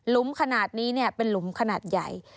มขนาดนี้เป็นหลุมขนาดใหญ่